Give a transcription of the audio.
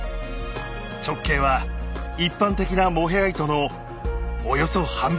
直径は一般的なモヘア糸のおよそ半分。